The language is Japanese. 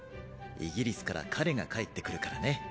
イギリスから彼が帰ってくるからね。